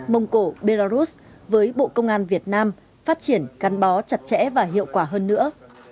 mông cổ belarus với bộ công an việt nam phát triển gắn bó chặt chẽ và hiệu quả hơn nữa